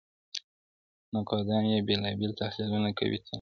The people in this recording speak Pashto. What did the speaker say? نقادان يې بېلابېل تحليلونه کوي تل-